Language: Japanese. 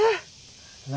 何？